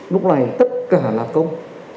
lúc này tất cả là công